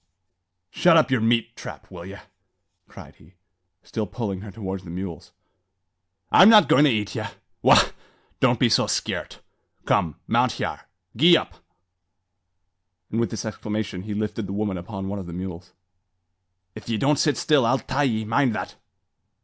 "Shut up yer meat trap, will ye?" cried he, still pulling her towards the mules; "I'm not goin' to eat ye. Wagh! Don't be so skeert. Come! mount hyar. Gee yup!" And with this exclamation he lifted the woman upon one of the mules. "If ye don't sit still, I'll tie ye; mind that!"